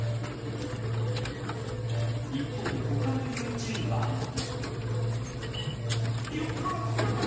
一方、他のユーチューバーも。